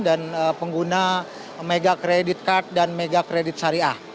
dan pengguna mega credit card dan mega credit sari a